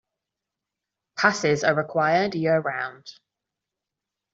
Passes are required year round.